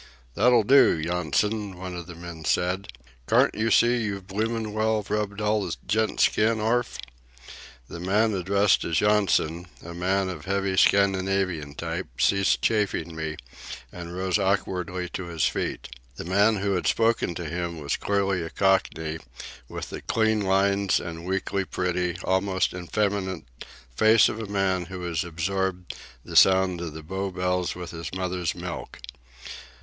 "That'll do, Yonson," one of the men said. "Carn't yer see you've bloomin' well rubbed all the gent's skin orf?" The man addressed as Yonson, a man of the heavy Scandinavian type, ceased chafing me, and arose awkwardly to his feet. The man who had spoken to him was clearly a Cockney, with the clean lines and weakly pretty, almost effeminate, face of the man who has absorbed the sound of Bow Bells with his mother's milk.